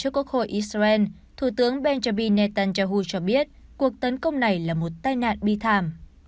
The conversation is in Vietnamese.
trước quốc hội israel thủ tướng benjamin netanyahu cho biết cuộc tấn công này là một tai nạn bi thảm